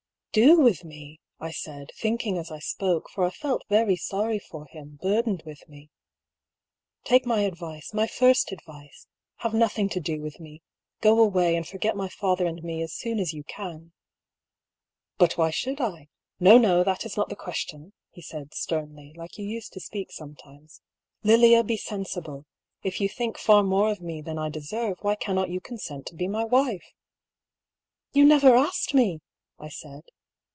^" Do with me ?" I said, thinking as I spoke ; for I felt very sorry for him, burdened with me. " Take my advice, my first advice : have nothing to do with me. Go away, and forget my father and me as soon as you can." "But why should I? No, no; that is not the question," he said, sternly, like you used to speak sometimes. "Lilia, bo sensible I If you think far more of me than I deserve, why cannot you consent to be my wife ?"" You never asked me !" I said.